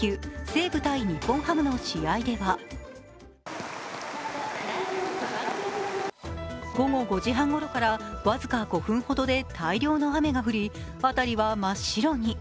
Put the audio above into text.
西武×日本ハムの試合では午後５時半ごろから僅か５分ほどで大量の雨が降り、辺りは真っ白に。